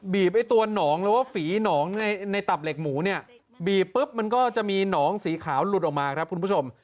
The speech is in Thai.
ไอ้ตัวหนองหรือว่าฝีหนองในตับเหล็กหมูเนี่ยบีบปุ๊บมันก็จะมีหนองสีขาวหลุดออกมาครับคุณผู้ชม